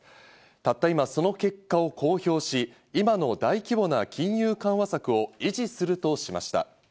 たった今その結果を公表し、今の大規模な金融緩和策を維持するとしました。